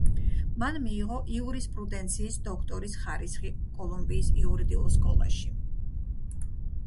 მან მიიღო იურისპრუდენციის დოქტორის ხარისხი კოლუმბიის იურიდიულ სკოლაში.